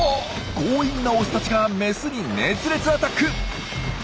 強引なオスたちがメスに熱烈アタック！